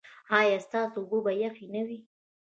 ایا ستاسو اوبه به یخې نه وي؟